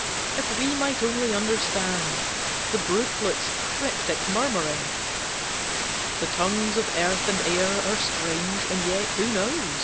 If we might only understand The brooklet's cryptic murmuring! The tongues of earth and air are strange. And yet (who knows?)